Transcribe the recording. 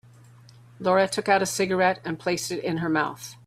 Laura took out a cigarette and placed it in her mouth.